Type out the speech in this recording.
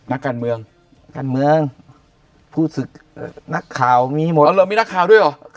นักการเมืองการเมืองผู้ศึกนักข่าวมีหมดเอาเหรอมีนักข่าวด้วยเหรอ